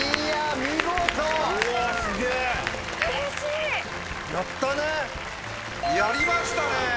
やりましたね！